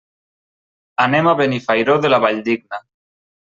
Anem a Benifairó de la Valldigna.